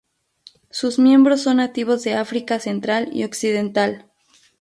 Sus miembros son nativos de África Central y Occidental.